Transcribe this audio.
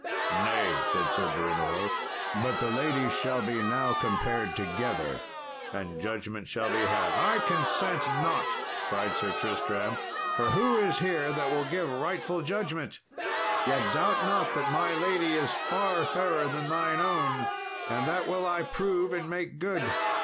"Nay," said Sir Brewnor, "but the ladies shall be now compared together and judgment shall be had." "I consent not," cried Sir Tristram, "for who is here that will give rightful judgment? Yet doubt not that my lady is far fairer than thine own, and that will I prove and make good."